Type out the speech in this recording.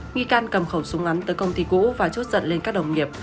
nghi can cầm khẩu súng ngắn từ công ty cũ và chốt giận lên các đồng nghiệp